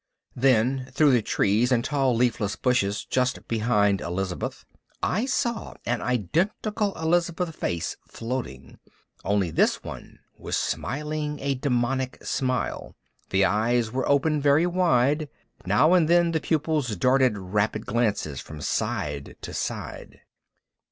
Then, through the trees and tall leafless bushes just behind Elizabeth, I saw an identical Elizabeth face floating, only this one was smiling a demonic smile. The eyes were open very wide. Now and then the pupils darted rapid glances from side to side.